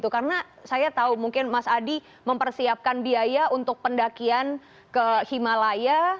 karena saya tahu mungkin mas adi mempersiapkan biaya untuk pendakian ke himalaya